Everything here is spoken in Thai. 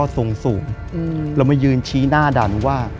เธอมายืนชี้หน้าด่าน